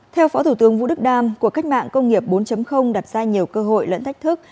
theo phó thủ tướng vũ đức đam cuộc cách mạng công nghiệp bốn đặt ra nhiều cơ hội lẫn thách thức